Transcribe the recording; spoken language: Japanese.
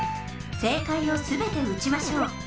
正解をすべて撃ちましょう。